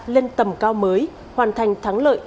lên tầm cao mới hoàn thành thắng lợi